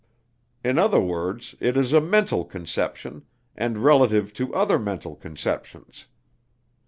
In other words, it is a mental conception, and relative to other mental conceptions.